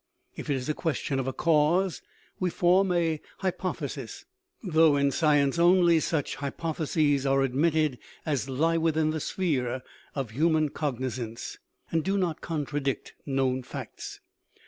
If it is a question of a cause, we form a hypothesis; though in science only such hypotheses are admitted as lie within the sphere of human cognizance, and do not contradict known facts.